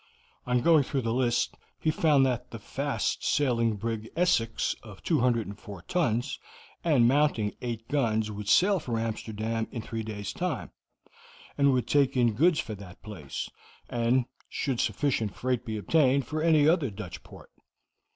On going through the list, he found that the fast sailing brig, Essex, of 204 tons, and mounting eight guns, would sail for Amsterdam in three days' time, and would take in goods for that place, and, should sufficient freight be obtained, for any other Dutch port.